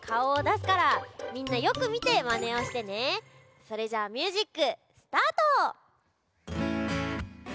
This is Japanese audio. それじゃあミュージックスタート！